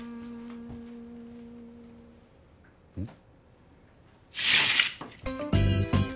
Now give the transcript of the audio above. うん？